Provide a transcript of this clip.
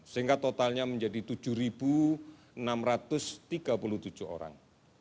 sehingga totalnya menjadi tujuh enam ratus tiga puluh tujuh orang